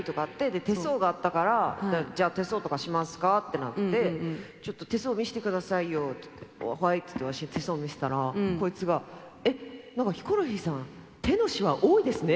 で手相があったから「じゃあ手相とかしますか？」ってなって「ちょっと手相見せてくださいよ」っつって「はい」っつってわしが手相見せたらこいつが「えっなんかヒコロヒーさん手のしわ多いですね」。